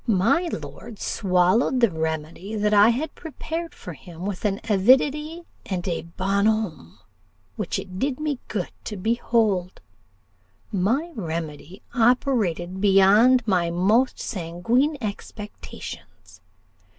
My lord swallowed the remedy that I had prepared for him with an avidity and a bonhommie which it did me good to behold; my remedy operated beyond my most sanguine expectations.